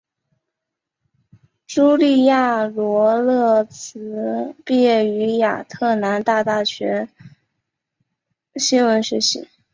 茱莉亚罗勃兹毕业于亚特兰大大学新闻学系。